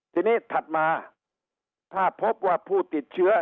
ทีนี้ถัดมาถ้าพบว่าผู้ติดเชื้อ